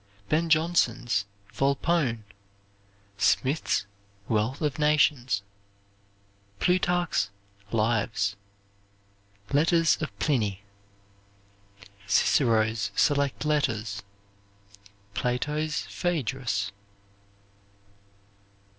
Ben Johnson's "Volpone." Smith's "Wealth of Nations." Plutarch's "Lives." Letters of Pliny. Cicero's Select Letters. Plato's "Phaedrus."